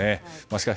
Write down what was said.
しかし、